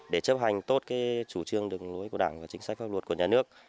để chấp hành tốt chủ trương đường lối của đảng và chính sách pháp luật của nhà nước